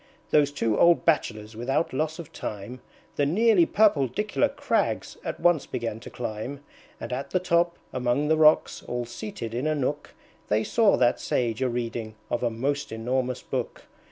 Those two old Bachelors without loss of time The nearly purpledicular crags at once began to climb; And at the top, among the rocks, all seated in a nook, They saw that Sage a reading of a most enormous book.